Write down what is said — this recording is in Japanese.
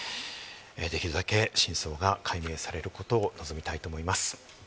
できるだけ真相が解明されることを望みたいと思います。